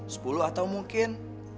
sepuluh atau mungkin